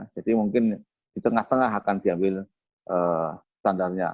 jadi mungkin di tengah tengah akan diambil standarnya